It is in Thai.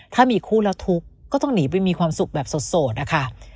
ถ้ามีคู่แล้วทุกข์ก็ต้องหนีไปมีความสุขแบบโสดนะคะ